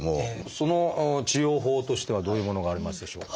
その治療法としてはどういうものがありますでしょうか？